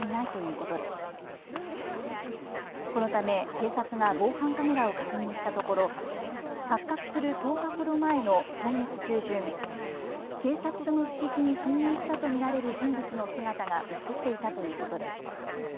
このため警察が防犯カメラを確認したところ発覚する１０日ほど前の今月中旬、警察署の敷地に侵入したと見られる人物の姿が写っていたということです。